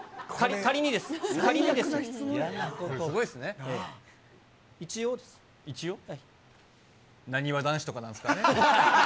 なにわ男子とかなんですかね。